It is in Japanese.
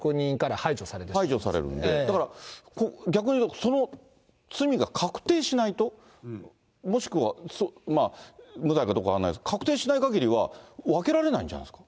排除されるんで、だから、逆に言うとその罪が確定しないと、もしくは、無罪かどうか分からないですけど、確定しないかぎりは分けられないんじゃないですか。